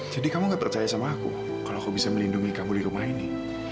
jadi kamu gak percaya sama aku kalau aku bisa melindungi kamu di rumah ini